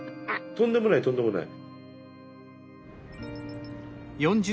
とんでもないとんでもない。